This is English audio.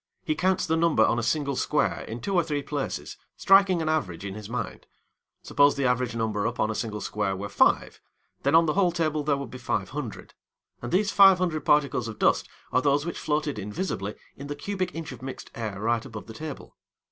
He counts the number on a single square in two or three places, striking an average in his mind. Suppose the average number upon a single square were five, then on the whole table there would be 500; and these 500 particles of dust are those which floated invisibly in the cubic inch of mixed air right above the table.